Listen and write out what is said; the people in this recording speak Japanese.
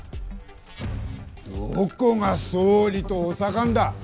どこが総理と補佐官だ。